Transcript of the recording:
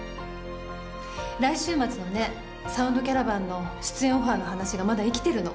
来週末のね「サウンドキャラバン」の出演オファーの話がまだ生きてるの。